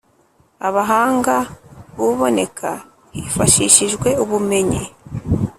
abahanga buboneka hifashishijwe ubumenyi.